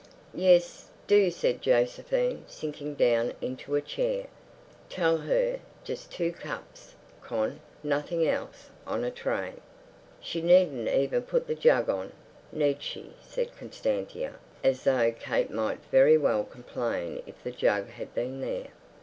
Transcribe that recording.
"Yes, do," said Josephine, sinking down into a chair. "Tell her, just two cups, Con, nothing else—on a tray." "She needn't even put the jug on, need she?" said Constantia, as though Kate might very well complain if the jug had been there.